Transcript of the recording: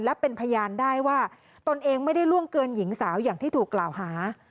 และเป็นพยานได้ว่าตนเองไม่ได้ล่วงเกินหญิงสาวอย่างที่ถูกกล่าวหา